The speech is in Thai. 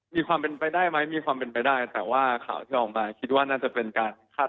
สวัสดีครับสวัสดีครับ